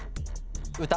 歌。